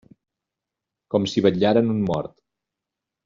Com si vetlaren un mort.